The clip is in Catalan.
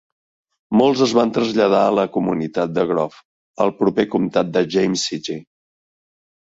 Molts es van traslladar a la comunitat de Grove, al proper comtat de James City.